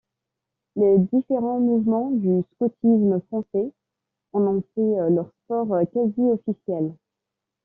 Les différents mouvements du scoutisme français en ont fait leur sport quasi officiel.